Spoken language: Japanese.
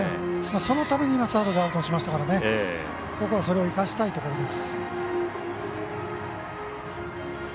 そのためにサードが反応しましたからここはそれを生かしたいところです。